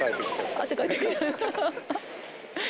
汗かいてきちゃった？